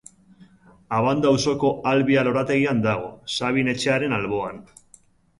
Abando auzoko Albia lorategian dago, Sabin Etxearen alboan.